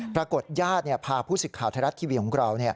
ปรากฏญาติพาผู้สิทธิ์ข่าวไทยรัฐทีวีของเรา